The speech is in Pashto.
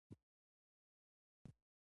دوهمه پوهه د تجربې په اساس ده.